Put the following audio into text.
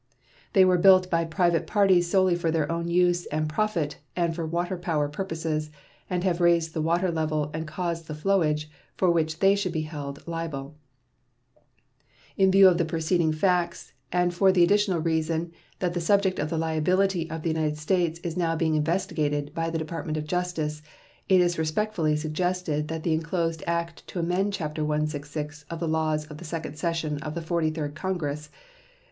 They were built by private parties solely for their own use and profit and for water power purposes, and have raised the water level and caused the flowage, for which they should be held liable. In view of the preceding facts, and for the additional reason that the subject of the liability of the United States is now being investigated by the Department of Justice, it is respectfully suggested that the inclosed act to amend chapter 166 of the laws of the second session of the Forty third Congress (S.